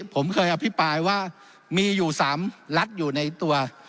ผมเคยอภิปรายว่ามีอยู่๓รัฐอยู่ในตัว